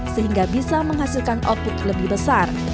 sehingga bisa menghasilkan output lebih besar